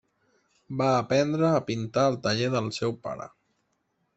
Va aprendre a pintar al taller del seu pare.